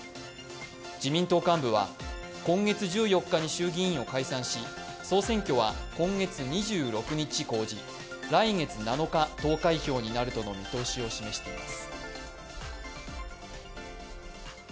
自民党幹部は今月１４日に衆議院を解散し総選挙は今月２６日公示、来月７日投開票になるとの見通しを示しています。